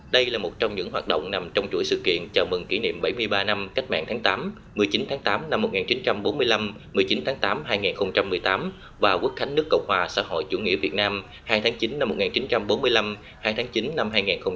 đây là một trong những hoạt động nằm trong chuỗi sự kiện chào mừng kỷ niệm bảy mươi ba năm cách mạng tháng tám một mươi chín tháng tám năm một nghìn chín trăm bốn mươi năm một mươi chín tháng tám hai nghìn một mươi tám và quốc khánh nước cộng hòa xã hội chủ nghĩa việt nam hai tháng chín năm một nghìn chín trăm bốn mươi năm hai tháng chín năm hai nghìn một mươi chín